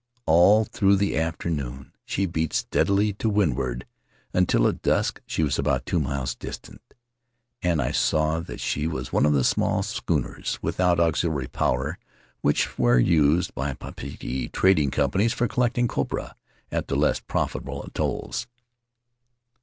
All through the afternoon she beat steadily to windward until at dusk she was about two miles distant, and I saw that she was one of the small schooners, without auxiliary power, which are used by Papeete trading companies for collecting copra at the less profitable atolls.